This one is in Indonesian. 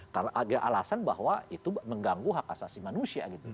karena alasan bahwa itu mengganggu hak asasi manusia